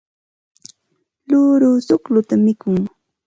luuru chuqlluta mikun.